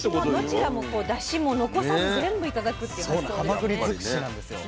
どちらもだしも残さず全部頂くっていう発想ですよね。